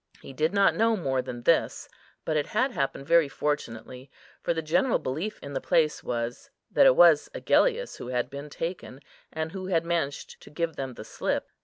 He did not know more than this, but it had happened very fortunately, for the general belief in the place was, that it was Agellius who had been taken, and who had managed to give them the slip.